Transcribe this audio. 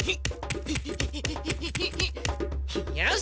よし！